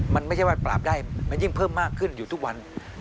มันไม่ใช่ว่าปราบได้มันยิ่งเพิ่มมากขึ้นอยู่ทุกวัน